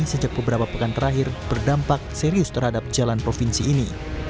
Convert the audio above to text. sejak beberapa pekan terakhir berdampak serius terhadap jalan provinsi ini